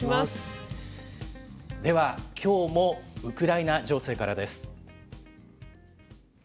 では、きょうもウクライナ情勢からです。